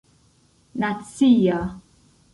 nacia